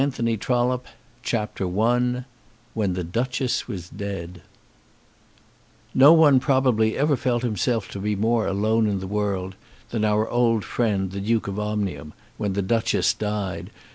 The Second Wedding CHAPTER I When the Duchess Was Dead No one, probably, ever felt himself to be more alone in the world than our old friend, the Duke of Omnium, when the Duchess died.